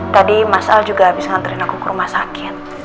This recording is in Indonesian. tadi mas al juga bisa nganterin aku ke rumah sakit